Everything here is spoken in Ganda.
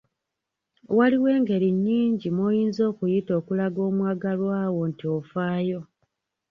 Waliwo engeri nnyingi mw'oyinza okuyita okulaga omwagalwawo nti ofaayo.